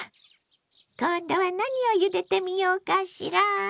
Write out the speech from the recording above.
今度は何をゆでてみようかしら。